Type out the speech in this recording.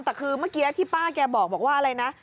แต่คือเมื่อกี้ที่ป้าแกบอกว่าอะไรนะ